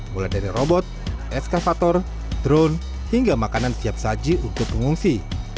mulai dari robot eskavator drone hingga makanan siap saji untuk pengungsi